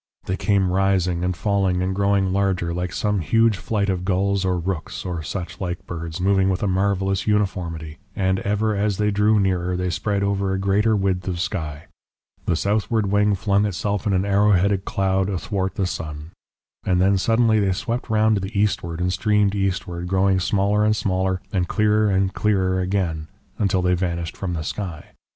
They came rising and falling and growing larger, like some huge flight of gulls or rooks, or such like birds moving with a marvellous uniformity, and ever as they drew nearer they spread over a greater width of sky. The southward wing flung itself in an arrow headed cloud athwart the sun. And then suddenly they swept round to the eastward and streamed eastward, growing smaller and smaller and clearer and clearer again until they vanished from the sky.